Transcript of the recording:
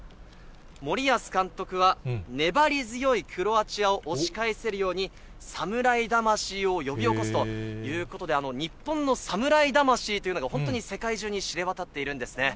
森保監督は粘り強いクロアチアを押し返せるように、侍魂を呼び起こすということで、日本の侍魂というのが、本当に世界中に知れ渡っているんですね。